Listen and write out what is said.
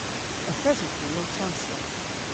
Yth esowgh hwi ow tonsya.